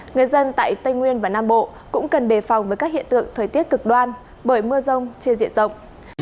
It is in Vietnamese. người dân tại tây nguyên và nam bộ cũng cần đề phòng với các hiện tượng thời tiết cực đoan bởi mưa rông trên diện rộng